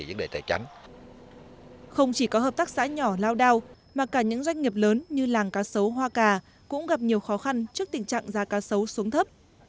và những doanh nghiệp lớn như làng cá sấu hoa cà cũng gặp nhiều khó khăn trước tình trạng giá cá sấu xuống thấp